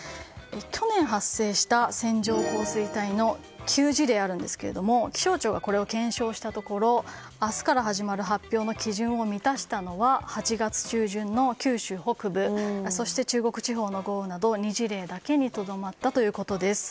去年、発生した線状降水帯の９事例あるんですけど気象庁がこれを検証したところ明日から始まる発表の基準を満たしたのは８月中旬の九州北部そして中国地方の豪雨など２事例だけにとどまったということです。